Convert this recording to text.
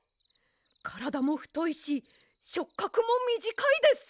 からだもふといししょっかくもみじかいです。